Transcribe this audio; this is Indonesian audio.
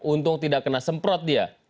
untung tidak kena semprot dia